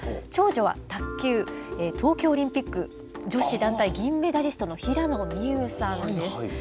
長女は卓球東京オリンピック女子団体銀メダリストの平野美宇さんです。